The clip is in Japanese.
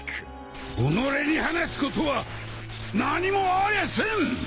おのれに話すことは何もありゃせん！